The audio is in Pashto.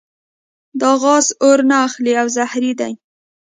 دا غاز اور نه اخلي او زهري دی.